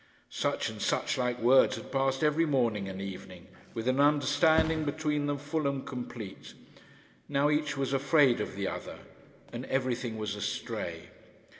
Such and such like words had passed every morning and evening, with an understanding between them full and complete. Now each was afraid of the other, and everything was astray.